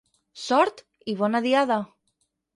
Sort i bona diada!